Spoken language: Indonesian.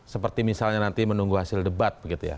seperti misalnya nanti menunggu hasil debat begitu ya